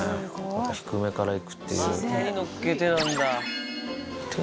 低めからいくっていう。